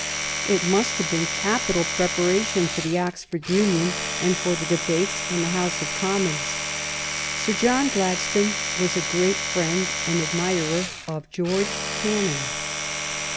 It must have been capital preparation for the Oxford Union and for the debates in the House of Commons. Sir John Gladstone was a great friend and admirer of George Canning.